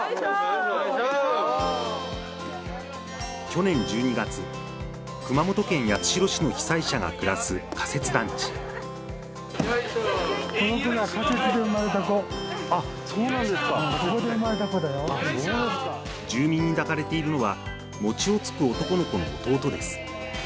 去年１２月熊本県八代市の被災者が暮らす仮設団地住民に抱かれているのは餅をつく男の子の弟です